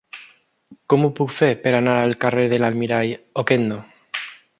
Com ho puc fer per anar al carrer de l'Almirall Okendo?